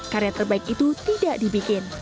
karya terbaik itu tidak dibikin